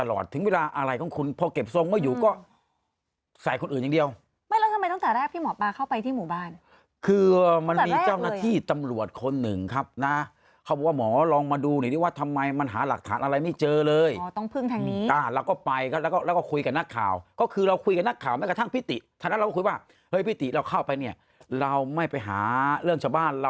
แล้วคุณไปอยู่อยู่หยอกตอนนั้นเราอาจจะเป็นผีก็ได้เนี่ยอีบ้า